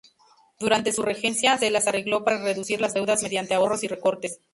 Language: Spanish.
Durante su regencia, se las arregló para reducir las deudas mediante ahorros y recortes.